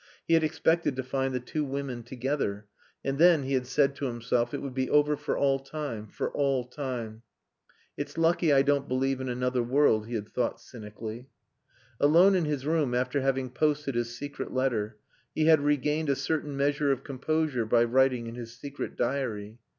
He had expected to find the two women together. And then, he had said to himself, it would be over for all time for all time. "It's lucky I don't believe in another world," he had thought cynically. Alone in his room after having posted his secret letter, he had regained a certain measure of composure by writing in his secret diary.